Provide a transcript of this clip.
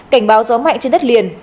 cảnh báo gió mạnh trên đất liền